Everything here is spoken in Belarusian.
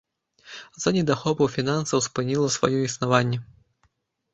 З-за недахопу фінансаў спыніла сваё існаванне.